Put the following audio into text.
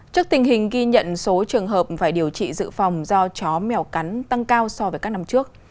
trước tình hình ghi nhận số trường hợp phải điều trị dự phòng do chó mèo cắn tăng cao so với các năm trước